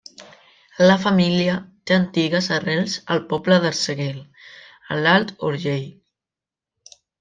La família té antigues arrels al poble d'Arsèguel, a l'Alt Urgell.